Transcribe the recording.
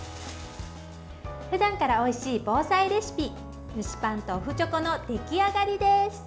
ふだんからおいしい防災レシピ蒸しパンとお麩チョコの出来上がりです。